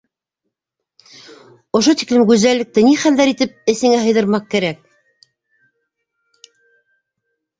Ошо тиклем гүзәллекте ни хәлдәр итеп эсеңә һыйҙырмаҡ кәрәк?!